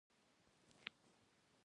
د څارویو ټول خویونه یې خپل کړي